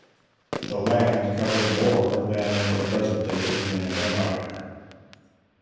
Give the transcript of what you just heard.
The land covered more than in the present day Inland Empire.